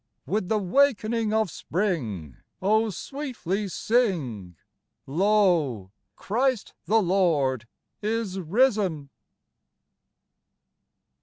With the wakening of spring, Oh, sweetly sing, Lo, Christ the Lord is risen